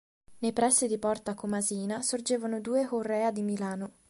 Nei pressi di Porta Comasina sorgevano due horrea di Milano.